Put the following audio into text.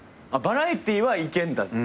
バラエティーはいけんだ？